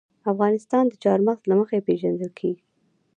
افغانستان د چار مغز له مخې پېژندل کېږي.